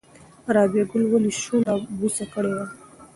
رابعه ګل ولې شونډه بوڅه کړې وه؟